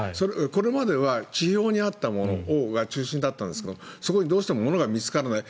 これまでは地表にあったものが中心だったんですがそこにどうしても物が見つからない。